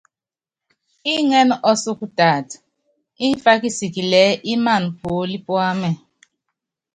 Iŋɛ́nɛ́ ɔsúkɔ taata, mfá kisiili ɛ́ɛ́ ímaná puólí púamɛ.